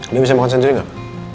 dia bisa makan sendiri gak